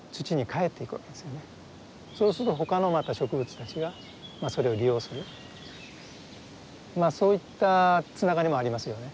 そうすると他のまた植物たちがそれを利用するそういったつながりもありますよね。